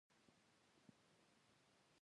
یو هم نه وي.